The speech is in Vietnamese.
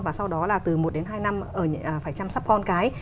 và sau đó là từ một đến hai năm phải chăm sóc con cái